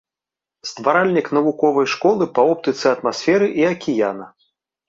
Стваральнік навуковай школы па оптыцы атмасферы і акіяна.